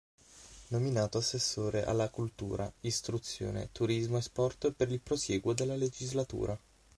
Nominato assessore alla cultura, istruzione, turismo e sport per il prosieguo della legislatura.